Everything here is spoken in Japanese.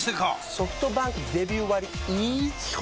ソフトバンクデビュー割イズ基本